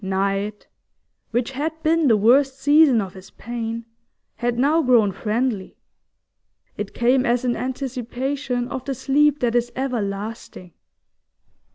Night, which had been the worst season of his pain, had now grown friendly; it came as an anticipation of the sleep that is everlasting.